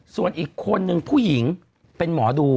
ส่วนอีกคนนึงผู้หญิงเป็นหมอดู